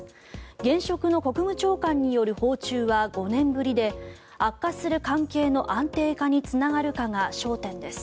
現職の国務長官による訪中は５年ぶりで悪化する関係の安定化につながるかが焦点です。